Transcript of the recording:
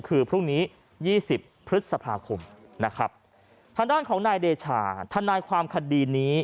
คือพรุ่งนี้๒๐พฤษภาคมนะครับทางด้านของนายเดชาทนายความคดีนี้